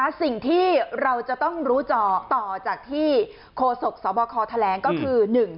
แล้วสิ่งที่เราจะต้องรู้เจาะต่อจากที่โคศกสวคคทแหลงก็คือ